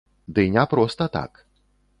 Ды не проста так.